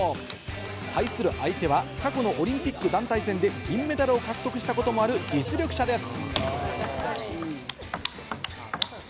対する相手は過去のオリンピック団体戦で銀メダルを獲得したこともある実力者です。